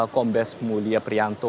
kombes pemuliha prianto